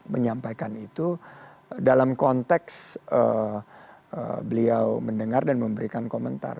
menyampaikan itu dalam konteks beliau mendengar dan memberikan komentar